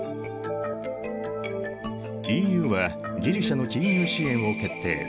ＥＵはギリシアの金融支援を決定。